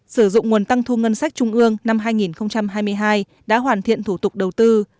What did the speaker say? sử dụng nguồn tăng thu ngân sách trung ương năm hai nghìn hai mươi hai đã hoàn thiện thủ tục đầu tư